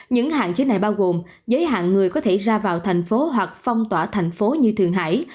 những hạn chế này bao gồm giới hạn người có thể ra vào thành phố hoặc phong tỏa thành phố như thường hải